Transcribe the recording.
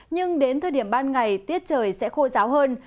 nhưng đến thời điểm ban ngày tiết trời sẽ khô ráo hơn